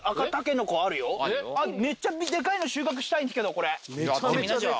めっちゃでかいの収穫したいんですけどこれ。